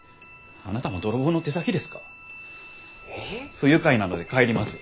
不愉快なので帰ります。